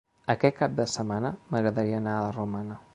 Aquest cap de setmana m'agradaria anar a la Romana.